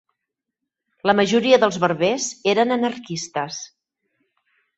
La majoria dels barbers eren anarquistes